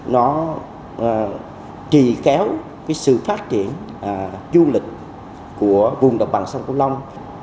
nó trì kéo sự phát triển du lịch của vùng đồng bằng sông cổ long